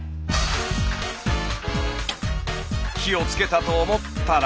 火をつけたと思ったら。